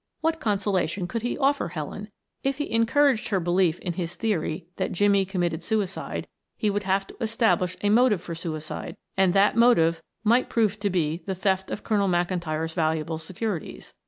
What consolation could he offer Helen? If he encouraged her belief in his theory that Jimmie committed suicide he would have to establish a motive for suicide, and that motive might prove to be the theft of Colonel McIntyre's valuable securities.